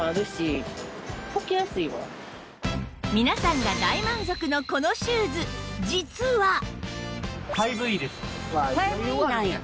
皆さんが大満足のこのシューズ実は